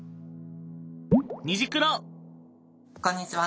こんにちは！